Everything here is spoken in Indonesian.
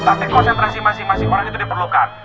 tapi konsentrasi masing masing orang itu diperlukan